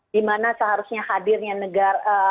dimana seharusnya hadirnya negara